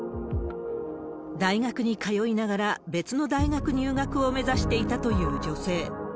大学に通いながら、別の大学入学を目指していたという女性。